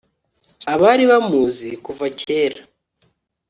abari bamuzi kuva kera